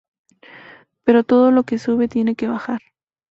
Pero todo lo que sube tiene que bajar.